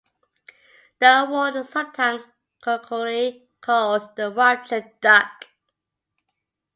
The award is sometimes colloquially called the Ruptured Duck.